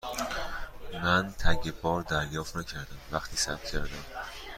من تگ بار دریافت نکردم وقتی ثبت کردم.